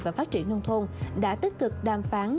và phát triển nông thôn đã tích cực đàm phán